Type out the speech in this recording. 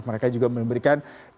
mereka juga memberikan ciptaan